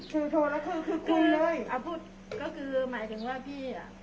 คือโทรแล้วคือคือคุยเลยก็คือหมายถึงว่าพี่อ่ะ